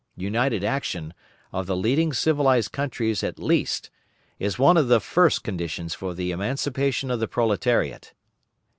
United action, of the leading civilised countries at least, is one of the first conditions for the emancipation of the proletariat.